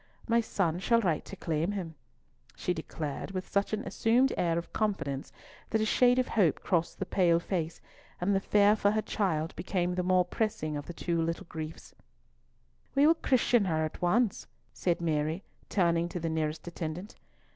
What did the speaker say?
My son shall write to claim him," she declared with such an assumed air of confidence that a shade of hope crossed the pale face, and the fear for her child became the more pressing of the two griefs. "We will christen her at once," said Mary, turning to the nearest attendant.